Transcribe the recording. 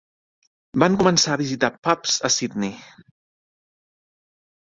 Van començar a visitar pubs a Sidney.